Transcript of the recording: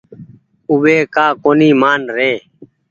اُو وي ڪآ ڪونيٚ مآن ري۔